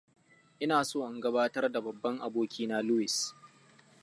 Ina so in gabatar da babban abokina Luis.